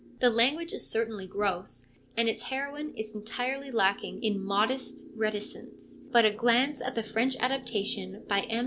The language is certainly gross and its heroine is entirely lacking in modest reticence, but a glance at the French adaptation by M.